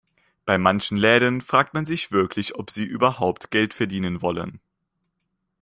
Bei manchen Läden fragt man sich wirklich, ob sie überhaupt Geld verdienen wollen.